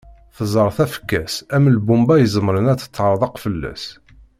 Tẓer tafekka-s am lbumba izemren ad teṭṭerḍeq fell-as.